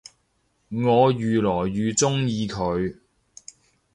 我愈來愈鍾意佢